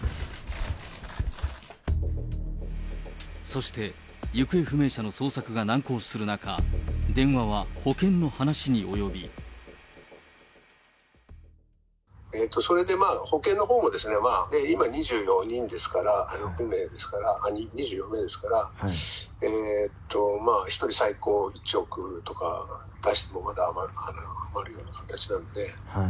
そして、行方不明者の捜索が難航する中、それで保険のほうもですね、今、２４人ですから、２４名ですから、１人最高１億とか出してもまだ余るような形なので。